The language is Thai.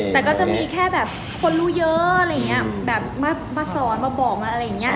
แต่ก็จะมีแค่แบบคนรู้เยอะอะไรอย่างเงี้ยแบบมาสอนมาบอกมาอะไรอย่างเงี้